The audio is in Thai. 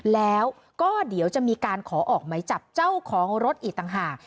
แล้วก็เดี๋ยวจะมีการขอออกไหมจับเจ้าของรถอีกต่างหาก